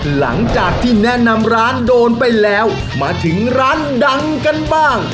หลังจากที่แนะนำร้านโดนไปแล้วมาถึงร้านดังกันบ้าง